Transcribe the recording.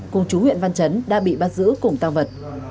cùng chú huyện văn chấn đã bị bắt giữ cùng tăng vật